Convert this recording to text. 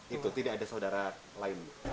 itu tidak ada saudara lain